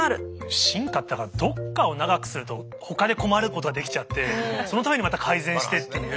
進化ってだからどこかを長くするとほかで困ることが出来ちゃってそのためにまた改善してっていう。